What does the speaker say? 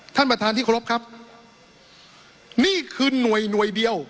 ท่านประธานที่เคารพครับนี่คือหน่วยหน่วยเดียว